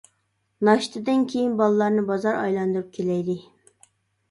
ناشتىدىن كېيىن بالىلارنى بازار ئايلاندۇرۇپ كېلەيلى.